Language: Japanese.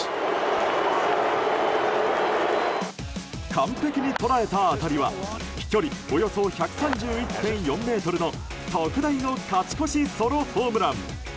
完璧に捉えた当たりは飛距離およそ１３１．４ｍの特大の勝ち越しソロホームラン！